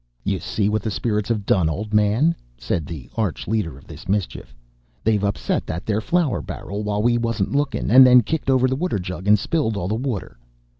"'You see what the spirits have done, old man,' said the arch leader of this mischief. 'They've upset that there flour barrel while we wasn't looking, and then kicked over the water jug and spilled all the water!'